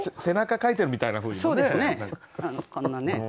背中かいてるみたいなふうにもね。